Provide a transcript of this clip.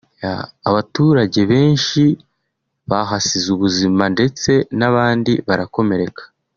abaturage benshi bahasize ubuzima ndetse n’abandi barakomereka